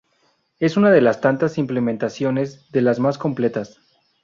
Es una de las tantas implementaciones, de las más completas.